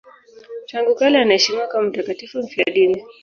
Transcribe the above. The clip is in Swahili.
Tangu kale anaheshimiwa kama mtakatifu mfiadini.